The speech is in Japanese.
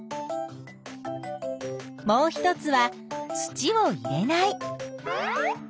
もう一つは土を入れない。